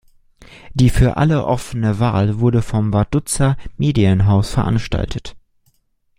Die für alle offene Wahl wurde vom Vaduzer Medienhaus veranstaltet.